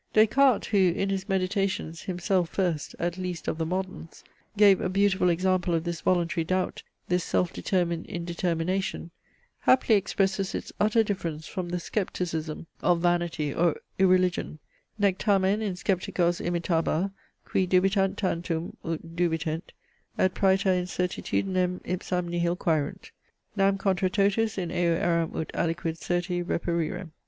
Des Cartes who (in his meditations) himself first, at least of the moderns, gave a beautiful example of this voluntary doubt, this self determined indetermination, happily expresses its utter difference from the scepticism of vanity or irreligion: Nec tamen in Scepticos imitabar, qui dubitant tantum ut dubitent, et praeter incertitudinem ipsam nihil quaerunt. Nam contra totus in eo eram ut aliquid certi reperirem .